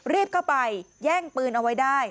รีบเข้าไปแย่งปืนเอาไว้ได้